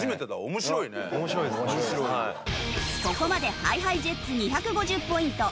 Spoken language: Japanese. ここまでＨｉＨｉＪｅｔｓ２５０ポイント。